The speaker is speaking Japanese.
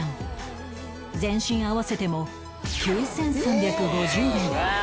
全身合わせても９３５０円